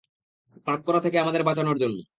পাপ করা থেকে আমাকে বাঁচানোর জন্য।